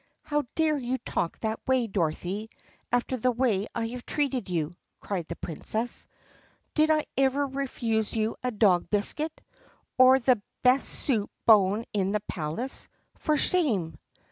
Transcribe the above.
"How dare you talk that way, Dorothy, after the way I have treated you*?" cried the Princess. "Did I ever refuse you a dog biscuit*? Or the best soup bone in the palace 4 ? For shame!"